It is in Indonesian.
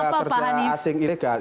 itu yang namanya tenaga kerja asing ilegal